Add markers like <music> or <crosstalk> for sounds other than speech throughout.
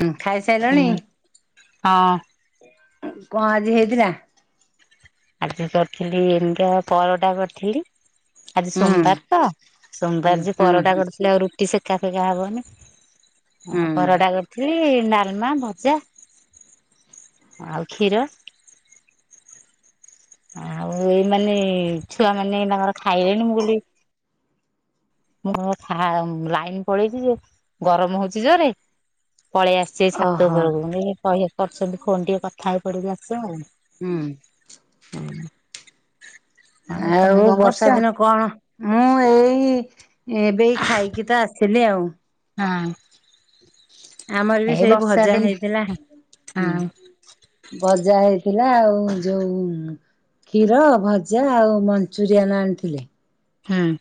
ହ ଖାଇସାରିଲଣି ହୁଁ ହଁ କଣ ଆଜି ହେଇଥିଲା? ଆ କରିଥିଲି ଏମୁଁତି ପରଟା କରିଥିଲି। ଆଜି ହୁଁ ସୋମବାର ତ ହୁଁ ସୋମବାର ଯ ହୁଁ ପରଟା ହୁଁ କରିୁଥିଲେ ଆଉ ସେକା ଫେକା ହବନି ହଁ ହୁଁ ପରଟା କରି ଡାଲମା ଭଜା ଆଉ କ୍ଷୀର। ଆଉ ଏଇ ମାନେ ଛୁଆ ମାନେ ତାଙ୍କର ଖାଇଲେଣି ମୁଁ ବୋଲି ମୁଁ ହୁଁ ଫା ଲାଇନ ପଳେଇଛି ଯେ ଗରମ ହଉଛି ଜୋରେ। ପଳେଇ ଆସିଛି ଛାତ ଓହୋ ଉପରକୁ <unintelligible> କହିବାକୁ କରୁଛନ୍ତି ଫୋନ୍ ଟିକେ କଥା ହେଇ ପଡିକି ଆସିବା ଆଉ। ହୁଁ ହ, ଆଉ ବର୍ଷା ଦିନ କଣ ମୁଁ ଏଇ ଏବେଇ ଖାଇକି ତ ଆସିଲି ଆଉ। ହଁ <unintelligible> ଆମର ବି ଏଇ ସେଇ ବର୍ଷା ଭଜା ଦିନ ହେଇଥିଲା। ହୁଁ, ହଁ ଭଜା ହେଇଥିଲା ଆଉ ଯୋଉ କ୍ଷୀର ଭଜା ଆଉ ମଞ୍ଚୁରିଆନ୍ ଆଣିଥିଲେ। ହଁ <unintelligible>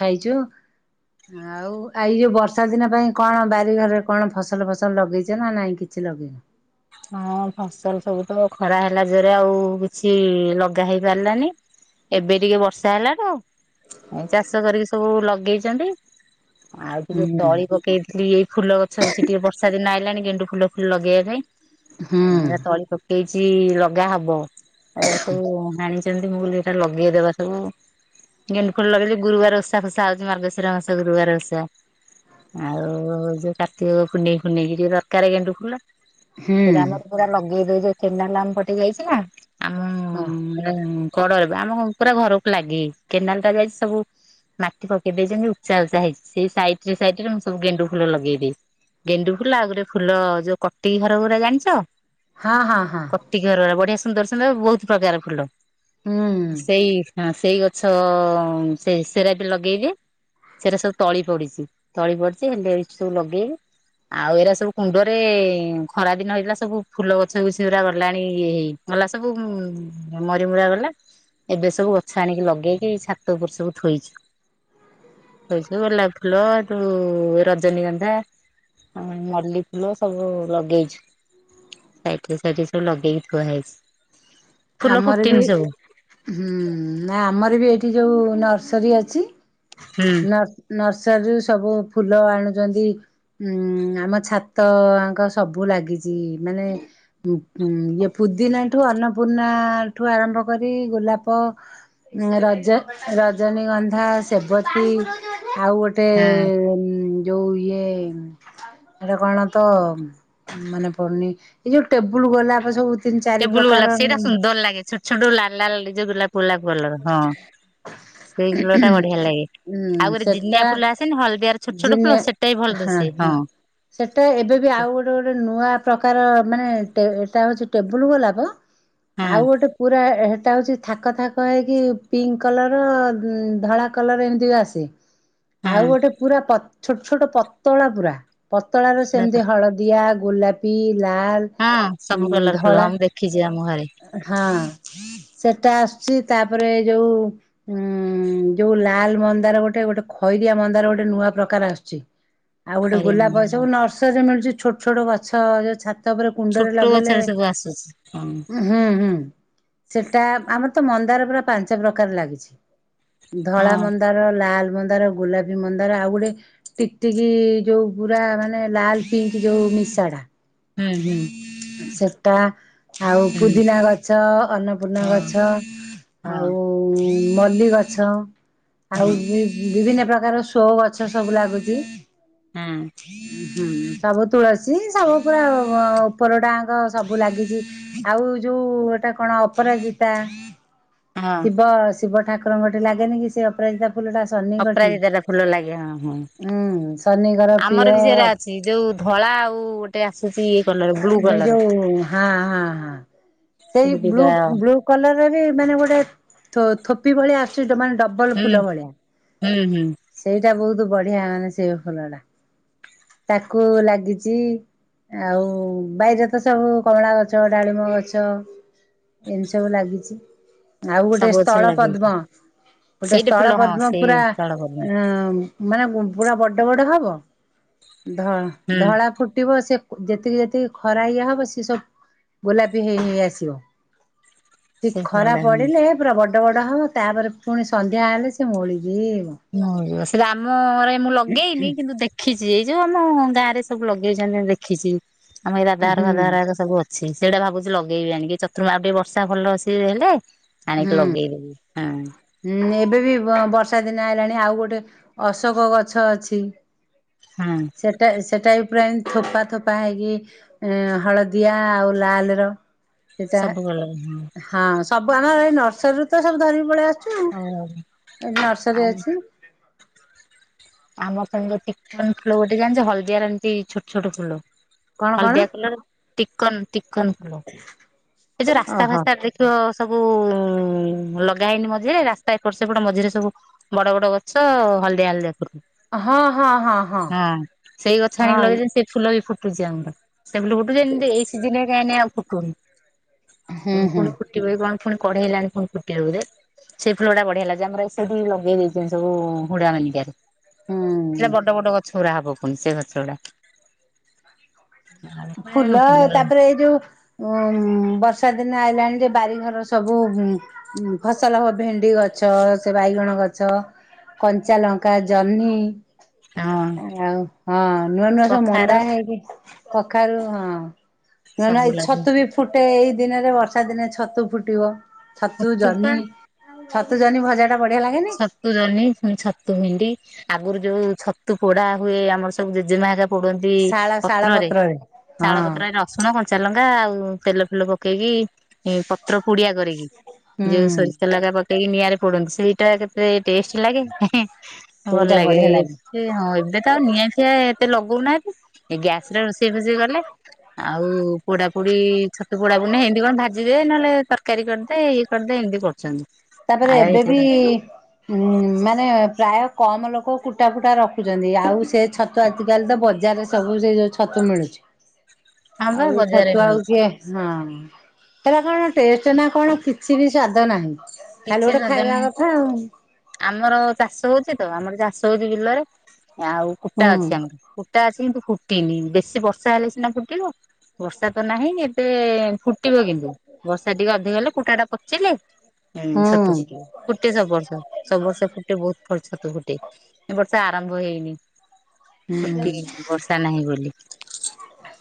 ଖାଇଛୁ ଆ ଆଉ ଆଇ ଯଉ ବର୍ଷା ଦିନ ପାଇଁ କଣ ବାରି ଘରେ କଣ ଫସଲ ଫସଲ ଲଗେଇଛ ନା ନାଇଁ କିଛି ଲଗେଇନ? ହଁ ଫସଲ ସବୁ ତ ଖରା ହେଲା ଜୋରେ ଆଉ କିଛି ଲଗା ହେଇପାରିଲାନି। ଏବେ ଟିକେ ବର୍ଷା ହେଲା ଟ ଚାଷ କରିକି ସବୁ ଲଗେଇଛନ୍ତି। ଆଉ ଟିକେ ତଳି ହୁଁ ପକେଇଥିଲି ଏଇ ଫୁଲ ଗଛ ହଉଛି। ଟିକେ ବର୍ଷା ଦିନ ହେଇଲାଣି ଗେଣ୍ଡୁ ଫୁଲ ଫୁଲ ଲଗେଇବା ପାଇଁ। ଏ ତଳି ପକେଇଛି ଲଗା ହବ। ଆରେ ସବୁ ହାଣିଛନ୍ତି ମୁଁ କ ଏଟା ଲଗେଇଦବା ସବୁ। ଗେଣ୍ଡୁ ଫୁଲ ଲଗେଇଲି ଗୁରୁବାର ଓଷା ଖଷା ହଉଛି। ମାର୍ଗଶିର ମାସ ଗୁରୁବାର ଓଷା। ଆଉ ଯୋଉ କାର୍ତ୍ତିକ ପୁନେଇ ଫୁନେଇକି ଟିକେ ଦରକାର ଗେଣ୍ଡୁ ଫୁଲ। ହୁଁ ସେମର ପୁରା ଲଗେଇଦ ଯୋଉ େଣ୍ଡାଲାମ ଫଟି ଯାଇଛି ନା ହୁଁ ଆମ <unintelligible> କଡରେ ବା ଆମ ପୁରା ଘରକୁ ଲାଗିକି କେନାଲ ଟା ଯାଇଛି ସବୁ। ମାଟି ପକେଇ ଦେଇଛନ୍ତି ଉଚା ଉଚା ହେଇଛି ସେଇ ସାଇଡରେ ସାଇଡରେ ମୁଁ ସବୁ ଗେଣ୍ଡୁ ଫୁଲ ଲଗେଇଛି। ଗେଣ୍ଡୁ ଫୁଲ ଆଉ ଗୋଟେ ଫୁଲ ଯୋଉ କଟିି ଘର ଗୁରା ଜାଣିଛ। ହଁ -ହଁ- ହଁ। କଟି ଘର ବଢିଆ ସୁନ୍ଦର ସୁନ୍ଦର ବହୁତ ପ୍ରକାର ଫୁଲ। ହୁଁ ସେଇ ହଁ ସେଇ ଗଛ ସେ ସେରା ବି ଲଗେଇବେ। ସେଟା ସବୁ ତଳି ପଡିଛି ତଳି ପଡିଛି ହେଲେ ଏଠି ସବୁ ଲଗେଇବ। ଆଉ ଏରା ସବୁ କୁଣ୍ଡରେ ଖରା ଦିନ ହେଇଥିଲା ସବୁ ଫୁଲ ଗଛ ବିଛୁ ପା ଗଲାଣି ଇଏ ହେଇ ଗଲା ସବୁ। ମରିମୁର ଗଲା ଏବେ ସବୁ ଗଛ ଆଣିକି ଲଗେଇକି ଛାତ ଉପରେ ସବୁ ଥୋଇଛୁ। କଇସୁ ଗୋଲପା ଫୁଲ ଏ ତୁ ରଜନୀଗନ୍ଧା। ହଁ ମଲ୍ଲି ଫୁଲ ସବୁ ଲଗେଇଛିି। ସାଇଟରେ ସାଇଟରେ ସବୁ ଲଗେଇକି ଥୁଆ ହେଇଛି। ଫୁଲ ଆମର ବି ଫୁଟିନି ସବୁ ହୁଁ ନା ଆମର ବି ଏଇଠି ଯୋଉ ନର୍ସରୀ ଅଛି। ହୁଁ ନ ନର୍ସରୀରୁ ସବୁ ଫୁଲ ଆଣୁଛନ୍ତି। ଉୁଁ ଆମ ଛାତ ଯାଙ୍କ ସବୁ ଲାଗିଛି। ମାନେ ଉ ଇଏ ପୁଦିନା ଠୁ ଅନ୍ନପୂର୍ଣ୍ଣା ଠୁ ଆରମ୍ଭ କରି ଗୋଲାପ ରଜ ରଜନୀଗନ୍ଧା ସେବତୀ ଆଉ ଗୋ ତେ ହଁ ଯୋଉ ଇଏ ଏଇଟା କଣ ତ ମନେ ପଡୁନି ଏଇ ଯୋଉ ଟେବୁଲ ଗୋଲପା ସବୁ ତିନି ଚାରି ଟେବୁଲ ପ୍ରକାର ଗୋଲାପ ସେଇଟା ସୁନ୍ଦର ଲାଗ ଛୋଟ ଛୋଟ ଲାଲା ଯୋଉ ଗୋଲାପ। ଗୋଲାପ କଲର ହଁ ସେଇ ଫୁଲ ଟା ବଢିଆ ଲାଗେ। ଉଁ ଆଉ ଗୋଟେ ସେଟା ଜିନିଆ ଫୁଲ ଆସ କିନ ହଳଦିଆ ର ଛୋଟ ଛୋଟ ଫୁଲ ସେଟା ବି ଭଲ ଦୁଶେ। ହଁ, ସେଇଟା ଏବେ ବି ଆଉ ଗୋଟେ ଗୋଟେ ନୂଆ ପ୍ରକାର ମାନେ ଏଇଟା ହେଉଛି ଟେବୁଲ୍ ଗୋଲାପ। ହଁ ଆଉ ଗୋଟେ ପୁରା <unintelligible> ଏଟା ହଉଛି ଥାକ ଥାକ ହେଇକି ପିଙ୍କ କଲର ଧଳା କଲର ଏମିତି ବି ଆସେ। <inaudible> ଆଉ ଗୋଟେ ପୁରା ପ ଛୋଟ ଛୋଟ ପତଳା ପୁରା ପତଳା ର ପୁରା କ ସେମିତି ହଳଦୀ। ହଳଦିଆ ଗୋଲାପି ଲାଲ। ହଁ ଉଁ ସବୁ କଲର ଫୁଲ ଧଳା ହଁ ମୁଁ ଦେଖିଛି ଆମ ଘରେ। ହଁ ସେଟା ଆସୁଛି ତାପରେ ଏ ଯୋଉ ଉଁ ଯୋଉ ଲାଲ ମନ୍ଦାର ଗୋଟେ ଗୋଟେ ଖଇରିଆ ମନ୍ଦାର ଗୋଟେ ନୂଆ ପ୍ରକାର ଆସୁଛି। <unintelligible> ଆଉ ଗୋଟେ ଗୋଲାପ ସବୁ ମନ୍ଦିର ନର୍ସରୀରେ ମିଳୁଛି ଛୋଟ ଛୋଟ ଗଛ ଯୋଉ ଛାତ ଉପରେ କୁଣ୍ଡରେ ଲଗେଇଲେ ବାସୁଛି। ହଁ। ହୁଁ ହୁଁ ସେଟା ଆମର ତ ମନ୍ଦାର ପୁରା ପାଞ୍ଚ ପ୍ରକାର ଲାଗିଛି। ଧଳା ହଁ ମନ୍ଦାର ଲାଲ ମନ୍ଦାର ଗୋଲାପୀ ମନ୍ଦାର ଆଉ ଗୋଟେ ଟିକଟିକି ଯୋଉ ପୁରା ମାନେ ଲାଲ ପିଙ୍କ ଯୋଉ ମିଶା ଟା। ହୁଁ ହୁଁ ସେଟା। ଆଉ ହୁଁ ପୁଦିନା ଗଛ ଅନ୍ନପୂର୍ଣ୍ଣା ହଁ ଗଛ ଆଉ। ଉଁ ମଲ୍ଲୀ ଗଛ ହଁ ଆଉ ହୁଁ ବି। ବିଭିନ୍ନ ପ୍ରକାର ସୋ ଗଛ ସବୁ ଲାଗୁଛି। ହୁଁ। ହୁଁ ସବୁ ତୁଳସୀ ସବୁ ପୁରା ଉପର ଟାଙ୍କ ସବୁ ଲାଗିଛି। ଆଉ ଯୋଉ ଏଟା କଣ ଅପରାଜିତା ହଁ ଶିବ ଶିବ ଠାକୁର। ଶିବଙ୍କଠି ଲାଗେନିକି ସେ ଅପରାଜିତା ଫୁଲଟା ଆସ। ଶନିଙ୍କଠି ଅପରାଜିତା ଟା ଫୁଲ ଲାଗେ ହଁ ହଁ ଉୁଁ ଶନିଙ୍କର ପ୍ରିୟ ସେଇ ଯୋଉ ଧଳା ଆଉ। ଆସୁଛି ଇଏ କଲର ବ୍ଲୁ ଏବେ କଲର ଯୋଉ ହାଁ ହାଁ ହାଁ ସେ ସେଇ ବ୍ୁ ଦିଟା ବ୍ୁ କଲରରେ ମାନେ ଗୋଟେ ଥୋ ଥୋପି ଭଳିଆ ଆସୁଛି ମାନେ ଡ ଅବନି ହୁଁ ଫୁଲ ଭଳିଆ। ହୁଁ ହୁଁ ସେଇଟା ବହୁତ ବଢିଆ ମାନେ ସେଇ ଫୁଲ ଟା ତାକୁ ଲାଗିଛି। ଆଉ ବାଇରେ ତ ସବୁ କମଳା ଗଛ ଡାଳିମ୍ବ ଗଛ ଏମିତି ସବୁ ଲାଗିଛି। ଆଉ ଗୋଟେ ସବୁ ଗଛରେ ସ୍ଥଳ ଲାଗିବ ପଦ୍ମ ଗୋଟେ ସେଇଟା ସ୍ଥଳ ଫୁଲ ହଁ ପଦ୍ମ ସେଇ ପୁରା ତଳ କଲମୀ ଅ। ମାନେ ପୁରୁ ବଡ ବଡ ହବ ଧଳା ହୁଁ ଧଳା ଫୁଟିବ ସେ। ଯେତିକି ଯେତିକି ଖରା ଇଏ ହବ ସି ସବୁ ଗୋଲାପୀ ହେଇ ହେଇ ଆସିବ। ଟିକ ସେ ଖରା ଫୁଲଟା ହୁଁ ପଡିଲେ ପୁରା ବଡ ବଡ ହବ ତାପରେ ପୁଣି ସନ୍ଧ୍ୟା ହେଲେ ସେ ମୋଉଳିଯିବ। ହ ସେ ଆାମ ଘରେ ମୁଁ ଲଗେଇନି କିନ୍ତୁ ଦେଖ ଦେଖିଛି ଏଇ ଯୋଉ ଆମ ଗାଁରେ ସବୁ ଲଗେଇଛନ୍ତି ଦେଖିଛି ଆମ ଏଇ ଦାଦାଘର ହୁଁ ଫାଦାଘର ହେରିକା ସବୁ ଅ ସେଇଟା ଭାବୁଛି ଲଗେଇବି ଆଣ କି ଚତୁର୍ମା ଆଉ ଟିକେ ବର୍ଷା ଭଲସ ହେଲେ ଆଣିକି ହୁଁ। ଲଗେଇଦେବି ହାଁ। ହୁଁ ଏବେ ବି ବର୍ଷା ଦିନ ଆଇଲାଣି ଆଉ ଗୋଟେ ଅଶୋକ ଗଛ ଅଛି। ହଁ। ସେଟା ସେଟା ପୁରା ଏ ଥୋପା ଥୋପା ହେଇକି ହଳଦିଆ ଆଉ ଲାଲର। ସେଟା ସବୁ କଲର ହଁ ସବୁ ଆାନ ଏଇ ନର୍ସରୀରୁ ତ ସବୁ ଧରିକି ପଳେଇ ଆ। ଆସୁଛୁ ହଉ ଏଠି ନର୍ସରୀ ଆମ ଅଛି। ଆମ ସାଙ୍ଗ ଚିକନ ଫୁଲ ଗୋଟେ ଜାଣିଚ ହଳଦିଆର ଏମିତି ଛୋଟ ଛୋଟ ଫୁଲ? କଣ କଣ ହଳଦିଆ କଲର ଟିକନ ଟିକନ୍ କଲର ଏ ଯୋଉ ରାସ୍ତା ଓହୋ ଫାସ୍ତା ଦେଖ ସବୁ ଉ ଲଗା ହେଇନି ମଝିରେ ରାସ୍ତା ଏପଟ ସେପଟ ମଝିରେ ସବୁ ବଡ ବଡ଼ ଗଛ ହଳଦିଆ ହଳଦିଆ କରୁ ହଁ ହଁ ହଁ। ହଁ ସେଇ ଗଛ ହଁ ଆଣିକି ଲଗେଇଛନ୍ତି ସେଇ ଫୁଲ ବି ଫୁଟୁଛି ଆମର ସେଇ ଫୁଲ ଫୁଟୁଛି ଏଇ ସିଜନରେ କାଇଁ ନାଇ ଫୁଟୁନି। ହୁଁ କେବେ ହୁଁ କଣ ଫୁଟିବ କି କଣ କଢେଇଲାଣି ଫୁଣି ଫୁଟିବ ବୋଧେ ସେଇ ଫୁଲ ଟା ବଢିଆଲାଗେ ଯେ ଆମର ଏଇଠି ଲଗେଇ ଦେଇଚି ସବୁ ହୁଡା ମାନିକିଆରେ। ଏରା ହୁଁ। ବଡ ବଡ ଗଛ ଗୁଡା ହବ ପୁଣି ସେ ଗଛ ଗୁଡା। ଫୁଲ ତାପରେ ଏ ଯୋଉ ବର୍ଷା ଦିନ ଆଇଲାଣି ଯେ ବାରିଘର ସବୁ ଉଁ ଫସଲ ହବ ଭେଣ୍ଡି ଗଛ ସେ ବାଇଗଣ ଗଛ। କଞ୍ଚା ଲଙ୍କା ଜହ୍ନି ହଁ ଆଉ ହଁ ନୂଆ ନୂଆ ସବୁ କଖାରୁ ମନ୍ଦା ହେଇକି କଖାରୁ ହଁ। ନୂଆ ନୂଆ ସବୁ ଏଇ ଲଗେଇ ଛତୁ ବି ଫୁଟେ ଏଇ ଦିନରେ ବର୍ଷା ଦିନେ ଛତୁ ଫୁଟିବ। ଛତୁ ପା ଛତୁଜହ୍ନୀ ଛତୁ ଜହ୍ନି ଭଜା ଟା ବଢିଆ ଲାଗେନି? ଛତୁ ଜହ୍ନି ପୁଣି ଛତୁ ଭେଣ୍ଡି ଆଗରୁ ଯୋଉ ଛତୁ ପୋଡା ହୁଏ ଆମର ସବୁ ଜେଜେମା ହେକା ପୋଡନ୍ତି ଶାଳ ଶାଳ ପତ୍ରରେ ହଁ ଶାଳ ପତ୍ର ର ରସୁଣ କଞ୍ଚା ଲଙ୍କା ଆଉ ତେଲ ଫେଲ ପକେଇକି ପତ୍ର ପୋଡିଆ କରିକି ହୁଁ ଯୋଉ ସୋରିଷ ତେଲ ହେଇକା ପକେଇକି ନିଆଁରେ ପୋଡନ୍ତି ସେଇଟା କେତେ ଟେଷ୍ଟ ଲାଗେ। <unintelligible> ହଁ ଭଲ ସେଇଟା ଲାଗେ। ବଢିଆ ସେ ହଁ ଏବେ ତ ଆଉ ନିଆଁ ଫିଆଁ ଏତେ ଲଗଉନାହାନ୍ତି ଏ ଗ୍ୟାସରେ ରୋଷେଇ ଫୋଷେଇ କଲେ। ଆଉ ପୋଡା ପୋଡି ଛତୁ ପୋଡା ପୁଣି ନାହିଁ ହେନ୍ତି କଣ ଭାଜିଦେ ନହେଲେ ତରକାରୀ କରିଦେଇ ଦେ ଏମିତି କରୁଛନ୍ତି। ତାପରେ ଆଉ ଏତେ ଏବେବି ଉ ମାନେ ପ୍ରାୟ କମ୍ ଲୋକ କୁଟା ଫୁଟା ରଖୁଛନ୍ତି ଆଉ ସେ ଛତୁ ଆଜିକାଲି ତ ବଜାରରେ ସବୁ ସେ ଯେଉଁ ଛତୁ ମିଳୁଛି। ହଁ ବା ଆଉ ଏ ବଜାରରେ ଛତୁ ଆଉ ମିଳୁଛି କିଏ? ହଁ ହେରା କଣ ଟେଷ୍ଟ ନା କଣ କିଛି ବି ସ୍ଵାଦ ନାହିଁ। ଖାଲି କିଛି ଗୋଟେ ସ୍ବାଦ ଖାଇବା ନାହିଁ ପା କଥା ଆଉ ହୁଁ ଆମର ଚାଷ ହଉଛି ତ ଆମର ଚାଷ ହଉଛି ବିଲରେ ଆଉ କୁଟା ଅଛି ହୁଁ ଆମ କୁଟା ଅଛି କିନ୍ତୁ ଫୁଟିନି ବେଶୀ ବର୍ଷା ହେଲେ ସିନା ଫୁଟିବ। ବର୍ଷା ତ ନାହିଁ ଏବେ ଫୁଟିବ କିନ୍ତୁ ବର୍ଷା ଟିକେ ଅଧିକ ହେଲେ କୁଟା ଟା ପଚିଲେ ହୁଁ ଛତୁ ଫୁଟିବ। ଫୁଟେ ସବୁ ବର୍ଷ ସବୁ ବର୍ଷ ଫୁଟେ ବହୁତ ଖର୍ଚ୍ଚ ଛତୁ ଫୁଟେ ଏ ବର୍ଷ ଆରମ୍ଭ ହେଇନି। ହୁଁ ଟି ବର୍ଷା ନାହିଁ ବୋଲି।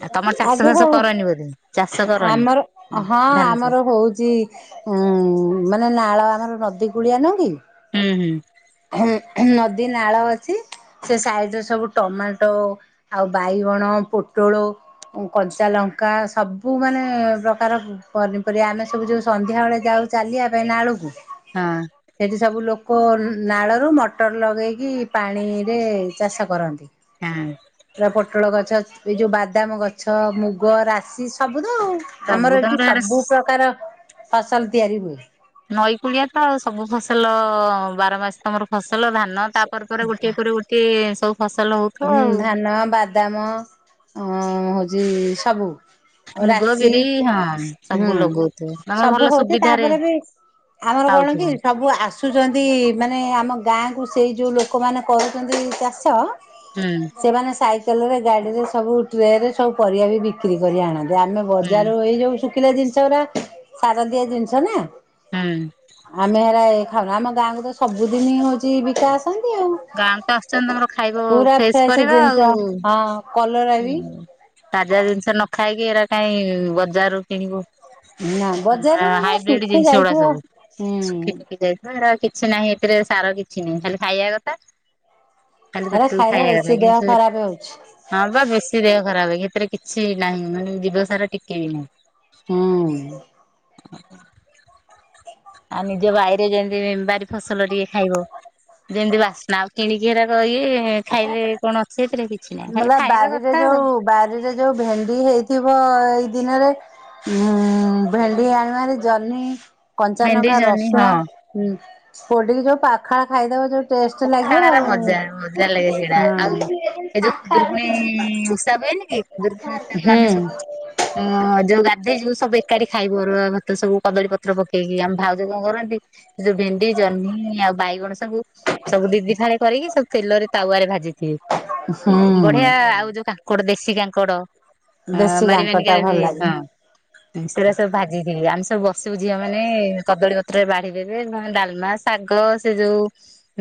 ଆଉ ତମର ଚାଷ ଆଜ୍ଞା ବାସ ହଁ କରନି ବୋଧେ ଚାଷ କରନି ଆମର ହଁ ଧାନ ଚାଷ ଆମର ହଉଚି ଉଁ ମାନେ ନାଳ ଆମର ନଦୀ କୂଳିଆ ନୁହ କି? ହୁଁ ହୁଁ। ହୁଁ ହୁଁ ନଦୀ ନାଳ ଅଛି। ସେ ସାଇଡରେ ସବୁ ଟମାଟୋ ଆଉ ବାଇଗଣ ପୋଟଳ କଞ୍ଚାଲଙ୍କା ସବୁ ମାନେ ପ୍ରକାର ପନିପରିବା ଆମେ ସବୁ ଯୋଉ ସନ୍ଧ୍ୟାବେଳେ ଯାଉ ଚାଲିବା ପାଇଁ ନାଳକୁ ହଁ। ସେଇଠି ସବୁ ଲୋକ ନାଳରୁ ମଟର ଲଗେଇକି ପାଣିରେ ଚାଷ କରନ୍ତି। ହାଁ। ପୁରା ପୋଟଳ ଗଛ ଏ ଯୋଉ ବାଦାମ ଗଛ ମୁଗ, ରାଶି ସବୁତ ଆଉ ସବୁ ଆମର ତମର ଏଠି ସବୁ ଆଡେ ପ୍ରକାର ଫସଲ ତିଆରି ହୁଏ। ନଈ କୂଳିଆ ତ ସବୁ ଫସଲ ବାର ମାସ ତମର ଫସଲ ଧାନ। ନ ତାପରେ ପରେ ଗୋଟିଏ ପରେ ଗୋଟିଏ ସବୁ ଫସଲ ହଉ। ହୁଁ ଧାନ, ବାଦାମ ଅ ହଉଛି ସବୁ। ମୁଗ ରାଶି ବିରି ହଁ ହୁଁ ସବୁ ଲଗଉଥିବେ ତମର ଭଲ ସବୁ ହଉଛି ସୁବିଧାରେ ତାପରେ ବି। ଆମର କଣ କି ପାଉଥିବେ। ସବୁ ଆସ। ଆସୁଛନ୍ତି ମାନେ ଆମ ଗାଁକୁ ସେଇ ଯେଉଁ ଲୋକମାନେ କରୁଛନ୍ତି ଚାଷ। ହୁଁ। ସେମାନେ ସାଇକେଲରେ ଗାଡ଼ିରେ ସବୁ ଟ୍ରେରେ ସବୁ ପରିବା ବି ବିକ୍ରି କରି ଆଣନ୍ତି। ଆମେ ହୁଁ ବଜାରୁ ଏଇ ଯୋଉ ଶୁଖିଲା ଜିନିଷ ସାରଦିଆ ଜିନିଷ ନା। ହୁଁ। ଆମେ ହେରା ଏ ଖାଉ ଆମ ଗାଁକୁ ତ ସବୁଦିନ ହଉଛି ବିକା ଆସନ୍ତି ଆଉ। ଗାଁକୁ ତ ଆସୁଛନ୍ତି ତମର ଖାଇବ ପୁରା ଫ୍ରେଶ ପରିବା ଜିନିଷ ଆଉହୁଁ। ହଁ କଲରା ବି ତାଜା ଜିନିଷ ନ ଖାଇକି ଏରା କାଇ ବଜାର ରୁ କିଣିବୁ। ନା ହୁଁ ଏରା ବଜାରରେ ଯ ହାଇବ୍ରିଡ ଶୁଖି ଜିନିଷ ଗୁଡା ଯାଇଥିବ ସବୁ ହୁଁ ଶୁଖି, ଶୁଖି ଯାଇ ହେରା କିଛି ନାହିଁ ଏଥିରେ ସାର କିଛି ନାହିଁ ଖାଲି ଖାଇବା କଥା। ଖାଲି ହେରା ପେଟୁକୁ ଖାଇଲେ ଖାଇଵା ବେଶୀ କଥା ଦେହ କିଛି ଖରାପ ହଉଛି ହଁ ବା ବେଶୀ ଦେହ ଖରାପ ଏ ସେଥିରେ କିଛି ନାହିଁ ମାନେ ଜିବସାର ଟିକେ ବି ନାହିଁ। ହୁଁ। <unintelligible> ଆଉ ନିଜ ବାଇରେ ଯେମିତି ବାରି ଫସଲ ଟିକେ ଖାଇବ। ଯେମିତି ବାସ୍ନା ଆଉ କିଣିକି ଏରାକ ଇୟେ। ଖାଇଲେ କଣ ଅଛି ଏଥିରେ କିଛି ନାହିଁ ଖାଲି ମଲା ଖାଇବା ବାରିରେ କଥା ଆଉ। ଯୋଉ ବାରିରେ ଯୋଉ ଭେଣ୍ଡି ହେଇଥିବ ଏଇ ଦିନରେ। ଉ ଭେଣ୍ଡି ଆଣିବ ହାରି ଜହ୍ନି, କଞ୍ଚା ଭେଣ୍ଡି ଲଙ୍କା, ଜହ୍ନି ହଁ ରସୁଣ। ହୁଁ ପୋଡିକି ଯୋଉ ପାଖାଳ ଖାଇଦବ ଯୋଉ ଟେଷ୍ଟ ଲାଗିବ ପଖାଳର ଆଉ। ମଜା ମଜା ଲାଗେ ସେଇଟା ଆଉ ଏ ହଁ ଯୋଉ ଖୁଦୁରୁକୁଣୀ ଓଷା ହୁଁ ହୁଁ <inaudible> ଯୋଉ ଗାଧୋଇ ଯିବୁ ସବୁ ଏକାଠି ଖାଇବୁ ସବୁ ଅରୁଆ ଭାତ ସବୁ କଦଳୀ ପତ୍ର ପକେଇକି ଆମେ ଭାଉ ନୋ କରନ୍ତି ଏ ଯୋଉ ଭେଣ୍ଡି, ଜହ୍ନି ଆଉ ବାଇଗଣ ସବୁ ସବୁ ଦି, ଦି ଫାଳି କରିକି ସବୁ ତେଲରେ ତାୱା ରେ ଭାଜିଥିବେ ହୁଁ ବଢିଆ ଆଉ ଯୋଉ କୋଉଟା ଦେଶୀ କାଙ୍କଡ ଦେଶୀ ବାରି କାଙ୍କଟା ମାନିକାରେ ଭଲ ହୁଏ ଲାଗେ ହୁଁ। ସେରା ସବୁ ଭାଜିଯିବେ ଆମେ ସବୁ ବସିବୁ ଝିଅ ମାନେ କଦଳୀ ପତ୍ରରେ ବାଢି ଦେବେ ନେହେଲେ ଡାଲମା ଶାଗ ସେ ଯୋଉ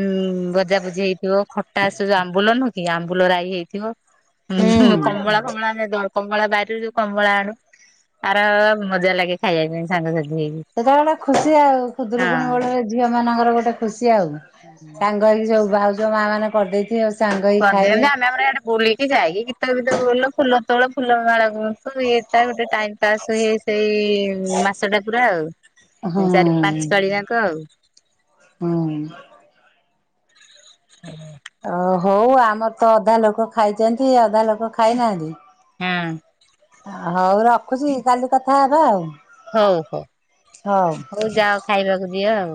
ଉୁଁ ଭଜା ଭୁଜି ହେଇଥିବ ଖଟା ସେ ଯୋଉ ଆମ୍ବୁଲ ନୁ ହଁ କି ଆମ୍ବୁଲ ରାଇ ହେଇଥିବ। ହୁଁ କମଳା, କମଳା, କମଳା ବାରିରୁ ଯୋଉ କମଳା ଆଣୁ। ଆର ମଜା ଲାଗେ ଖାଇବା ପାଇଁ ସାଙ୍ଗ ସାଥି ହେଇକି। ସେତେଳେ ଗୋଟେ ଖୁସି ଆଉ ଖୁଦୁରୁକୁୁଣୀ ହଁ। ବେଳେ ଝିଅ ମାନଙ୍କର ଗୋଟେ ଖୁସି ଆଉ। ହୁଁ। ସାଙ୍ଗ ହେଇକି ସବୁ ଭାଉଜ ମା ମାନେ କରିଦେଇଥିବ କରିଦିଅନ୍ତି ଆମେ ଆମର ଆଡେ ବୁଲିକି ଯାଇକି ଗୀତ, ଫିତ ବୋଲ ଫୁଲ ତୋଲୂ ଫୁଲ ମାଳ ଗୁଥୁ ଫୁଲ ହୁଏ ତା ଗୋଟେ ଟାଇମ ପାସ୍ ହୁଏ ସେଇ ମାସ ଟା ପୁରା ଆଉ। ହୁଁ ଚାରି ପାଞ୍ଚ ପାଳି ଯାକ ଆଉ। ହଁ। ଓ ହଉ ଆମର ତ ଅଧା ନୋକ ଖାଇଛନ୍ତି ଅଧା ନୋକ ଖାଇନାହାନ୍ତି ହଁ ହଉ ରଖୁଛି କାଲି କଥା ହେବା ଆଉ? ହଉ ହଉ ହଉ ଯାଅ ଖାଇବାକୁ ଦିଅ ଆଉ।